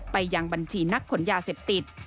ไปยังบัญชีนักขนยาเสพติด